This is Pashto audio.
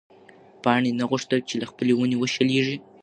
پاڼې نه غوښتل چې له خپلې ونې وشلېږي.